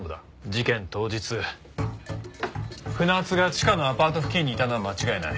事件当日船津がチカのアパート付近にいたのは間違いない。